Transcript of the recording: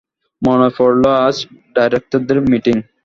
মনে পড়ল আজ ডাইরেক্টরদের মীটিং।